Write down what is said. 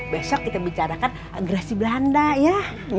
besok kita bicarakan agresi belanda ya